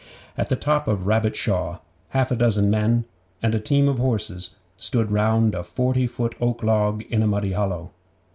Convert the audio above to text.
At the top of Rabbit Shaw half a dozen men and a team of horses stood round a forty foot oak log in a muddy hollow.